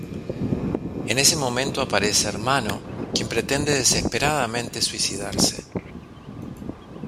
En ese momento aparece Ermanno, quien pretende desesperadamente suicidarse.